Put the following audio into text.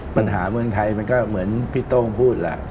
ปัญหาเมืองไทยมันก็เหมือนพี่โต้งพูดแหละ